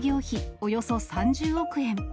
およそ３０億円。